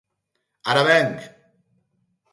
Ara venc!